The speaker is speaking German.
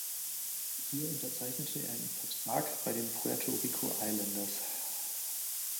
Hier unterzeichnete er einen Vertrag bei den Puerto Rico Islanders.